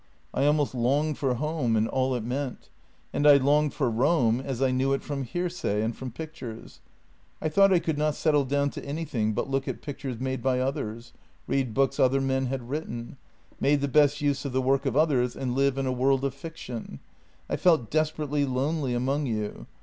I almost longed for home and all it meant — and I longed for Rome as I knew it from hearsay and from pictures. I thought I could not settle down to anything but look at pictures made by others — read books other men had written — made the best use of the work of others and live in a world of fiction. I felt desperately lonely among you.